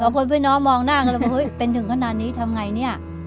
คนพี่น้องมองหน้ากันเลยบอกเฮ้ยเป็นถึงขนาดนี้ทำไงเนี่ย